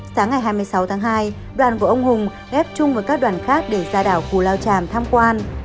sáng ngày hai mươi sáu tháng hai đoàn của ông hùng ghép chung với các đoàn khác để ra đảo cù lao tràm tham quan